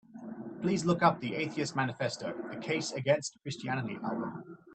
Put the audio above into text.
Please look up the Atheist Manifesto: The Case Against Christianity album.